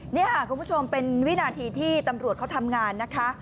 นี่ค่ะคุณผู้ชมเป็นวินาทีที่ตำรวจเขาทำงานนะคะ